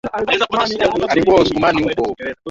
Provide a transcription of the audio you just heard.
Nimewezeshwa kuingia kwa baba.